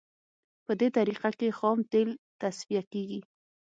په دې طریقه کې خام تیل تصفیه کیږي